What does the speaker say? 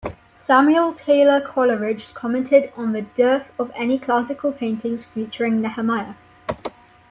Samuel Taylor Coleridge commented on the dearth of any classical paintings featuring Nehemiah.